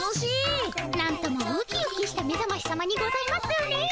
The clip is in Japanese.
なんともウキウキしためざましさまにございますね。